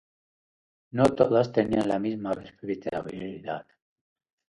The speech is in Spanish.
No todas tenían la misma respetabilidad.